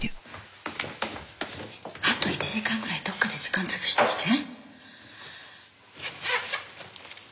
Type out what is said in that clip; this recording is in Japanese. あと１時間ぐらいどこかで時間潰してきて。